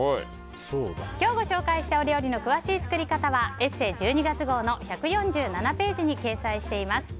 今日ご紹介した料理の詳しい作り方は「ＥＳＳＥ」１２月号の１４７ページに掲載しています。